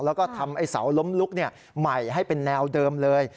แล้วก็ทำไอ้เสาล้มลุกใหม่ให้เป็นแนวเดิมเลย